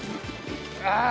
ああ！